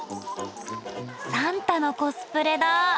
サンタのコスプレだ！